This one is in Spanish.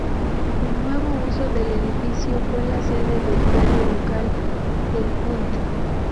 El nuevo uso del edificio fue la sede del diario local El Punt.